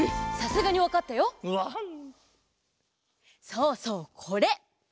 そうそうこれ！